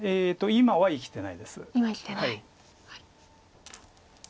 今は生きてないです。